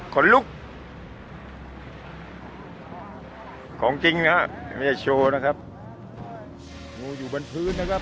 ของจริงนะครับไม่ได้โชว์นะครับงูอยู่บนพื้นนะครับ